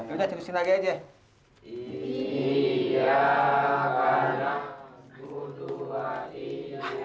udah terusin lagi aja